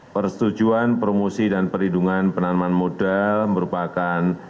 persetujuan promosi dan perlindungan penanaman modal merupakan